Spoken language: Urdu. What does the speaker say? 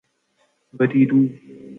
ہریرو